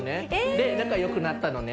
で仲良くなったのね。